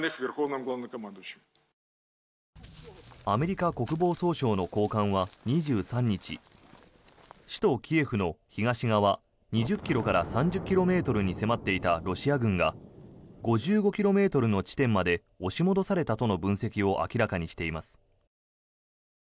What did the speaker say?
アメリカ国防総省の高官は２３日首都キエフの東側２０ｋｍから３０ｋｍに迫っていたロシア軍が５５ｋｍの地点まで押し戻されたとの分析を明らかにしています。